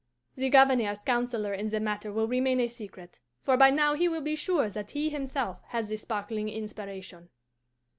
"The Governor's counsellor in the matter will remain a secret, for by now he will be sure that he himself had the sparkling inspiration.